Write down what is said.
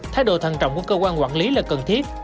thái độ thần trọng của cơ quan quản lý là cần thiết